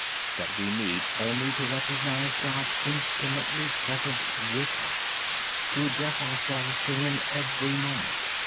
We need only to recognize God intimately present with us and address ourselves to Him every moment.